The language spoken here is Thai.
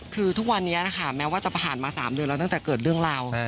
คือทุกวันนี้นะคะแม้ว่าจะผ่านมา๓เดือนแล้วตั้งแต่เกิดเรื่องราว